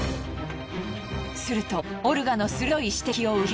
するとオルガの鋭い指摘を受け。